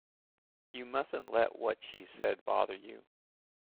You mustn't let what she said bother you.